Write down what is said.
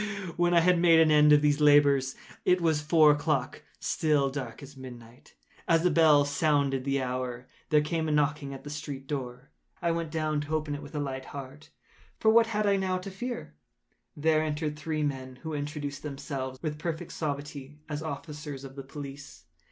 When I had made an end of these labors, it was four o’clock—still dark as midnight. As the bell sounded the hour, there came a knocking at the street door. I went down to open it with a light heart,—for what had I now to fear? There entered three men, who introduced themselves, with perfect suavity, as officers of the police.